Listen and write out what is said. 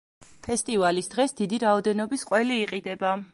ფესტივალის დღეს დიდი რაოდენობის ყველი იყიდება.